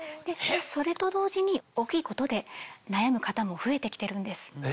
それと同時に大きいことで悩む方も増えて来てるんです。